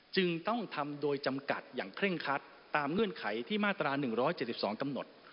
จึงต้องทำโดยจำกัดอย่างเคร่งคัดตามเงื่อนไขที่มาตรา๑๗๒กำหนด